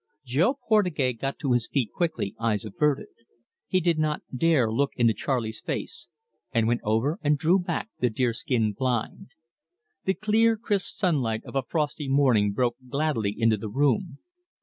Jo Portugais got to his feet quickly, eyes averted he did not dare look into Charley's face and went over and drew back the deer skin blind. The clear, crisp sunlight of a frosty morning broke gladly into the room.